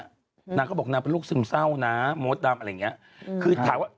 นางก็บอกนางเป็นโรคซึมเศร้านะโมดดำอะไรอย่างเงี้ยคือถามว่า